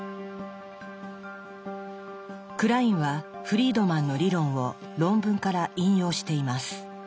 クラインはフリードマンの理論を論文から引用しています。